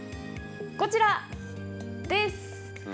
こちらです。